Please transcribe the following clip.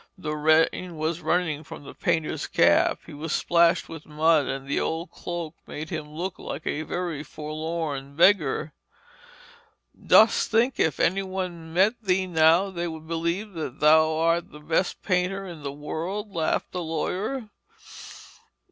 The rain was running from the painter's cap, he was splashed with mud, and the old cloak made him look like a very forlorn beggar. 'Dost think if any one met thee now, they would believe that thou art the best painter in the world?' laughed the lawyer.